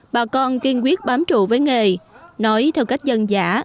bà con kiên quyết bám trụ với nghề nói theo cách dân giả